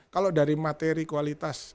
kalau dari materi kualitas